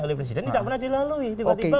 oleh presiden tidak pernah dilalui tiba tiba